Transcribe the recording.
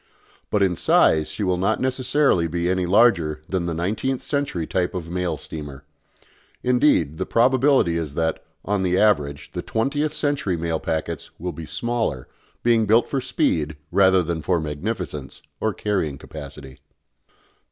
But in size she will not necessarily be any larger than the nineteenth century type of mail steamer. Indeed the probability is that, on the average, the twentieth century mail packets will be smaller, being built for speed rather than for magnificence or carrying capacity.